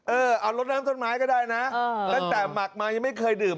เออเอารถน้ำต้นไม้ก็ได้นะตั้งแต่หมักมายังไม่เคยดื่ม